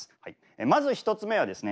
まず１つ目はですね